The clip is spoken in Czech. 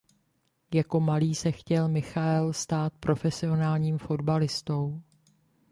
Jako malý se chtěl Michael stát profesionálním fotbalistou.